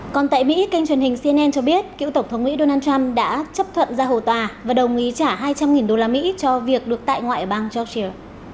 còn tại mỹ kênh truyền hình cnn cho biết cựu tổng thống mỹ donald trump đã chấp thuận ra hồ tòa và đồng ý trả hai trăm linh usd cho việc được tại ngoại ở bang georgia